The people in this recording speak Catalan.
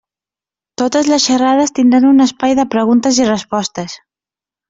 Totes les xerrades tindran un espai de preguntes i respostes.